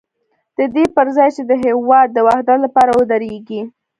د دې پر ځای چې د هېواد د وحدت لپاره ودرېږي.